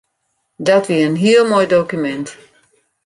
Dat wie in heel moai dokumint.